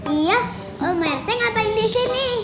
iya om merti ngapain di sini